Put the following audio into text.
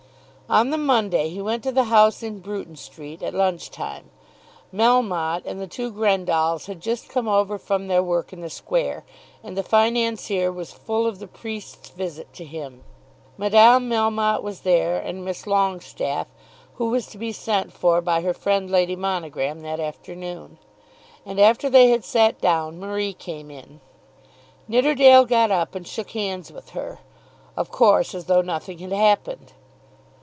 On the Monday he went to the house in Bruton Street, at lunch time. Melmotte and the two Grendalls had just come over from their work in the square, and the financier was full of the priest's visit to him. Madame Melmotte was there, and Miss Longestaffe, who was to be sent for by her friend Lady Monogram that afternoon, and, after they had sat down, Marie came in. Nidderdale got up and shook hands with her, of course as though nothing had happened.